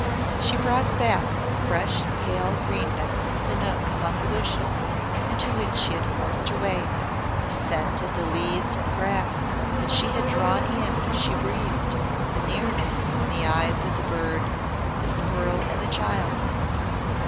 She brought back the fresh pale greenness of the nook among the bushes into which she had forced her way, the scent of the leaves and grass which she had drawn in as she breathed, the nearness in the eyes of the bird, the squirrel, and the child.